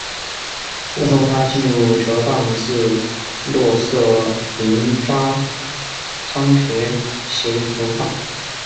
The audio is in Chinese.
此后他进入哲蚌寺洛色林扎仓学习佛法。